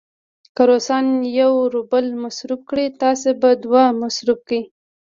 که روسان یو روبل مصرف کړي، تاسې به دوه مصرف کړئ.